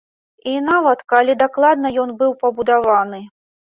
І нават, калі дакладна ён быў пабудаваны.